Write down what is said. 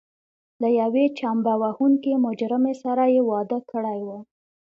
له یوې چمبه وهونکې مجرمې سره یې واده کړی و.